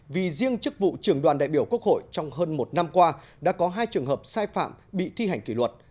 vì riêng chức vụ trưởng đoàn đại biểu quốc hội trong hơn một năm qua đã có hai trường hợp sai phạm bị thi hành kỷ luật